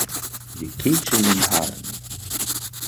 Який же він гарний!